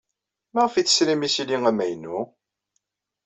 Maɣef ay tesrim isili amaynu?